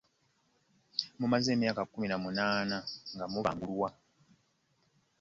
Mumaze emyaka kkumi na munaana nga mubangulwa n'